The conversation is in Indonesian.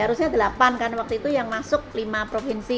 harusnya delapan kan waktu itu yang masuk lima provinsi